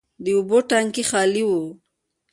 د اوبو ټانکي خالي و.